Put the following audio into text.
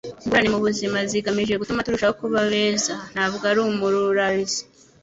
Ingorane mu buzima zigamije gutuma turushaho kuba beza, ntabwo ari umururazi.”